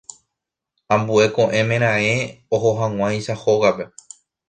Ambue ko'ẽme raẽ ohohag̃uáicha hógape.